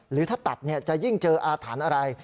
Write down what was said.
หรือถ้าตัดจะยิ่งเจออาถรรพ์อะไร